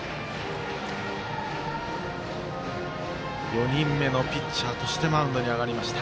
４人目のピッチャーとしてマウンドに上がりました。